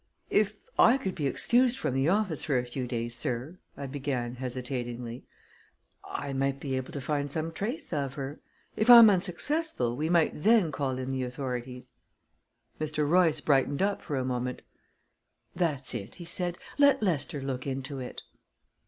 "If I could be excused from the office for a few days, sir," I began hesitatingly, "I might be able to find some trace of her. If I'm unsuccessful, we might then call in the authorities." Mr. Royce brightened up for a moment. "That's it," he said. "Let Lester look into it."